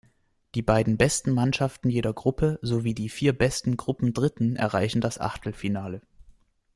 Die beiden besten Mannschaften jeder Gruppe sowie die vier besten Gruppendritten erreichen das Achtelfinale.